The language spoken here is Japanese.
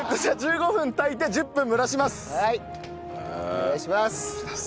お願いします。